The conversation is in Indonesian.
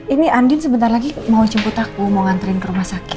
ini andin sebentar lagi mau jemput aku mau nganterin ke rumah sakit